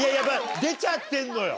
出ちゃってんのよ